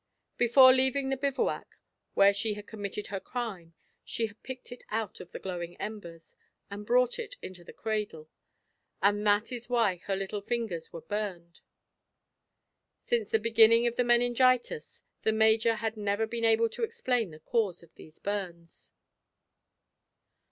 Before leaving the bivouac, where she had committed her crime, she had picked it out of the glowing embers, and brought it into the cradle, and that is why her little fingers were burned. Since the beginning of the meningitis the major had never been able to explain the cause of these burns."